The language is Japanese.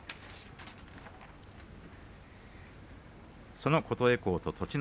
その琴恵光と栃ノ